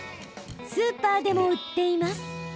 スーパーでも売っています。